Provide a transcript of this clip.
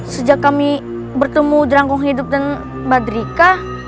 sejak kami bertemu drangkong hidup dan badrika